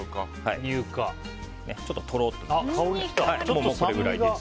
ちょっととろっと。